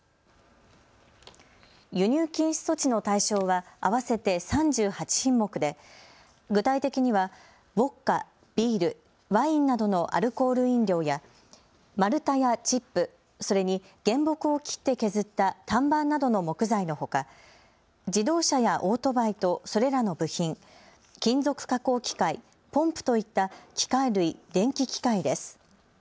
輸入禁止措置の対象は合わせて３８品目で具体的にはウォッカ、ビール、ワインなどのアルコール飲料や丸太やチップ、それに原木を切って削った単板などの木材のほか、自動車やオートバイとそれらの部品、金属加工機械、ポンプといった機械類・電気機械です。